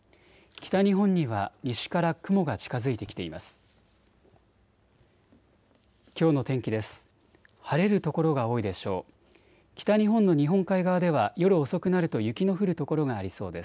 北日本には西から雲が近づいてきています。